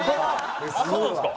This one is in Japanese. そうなんですか？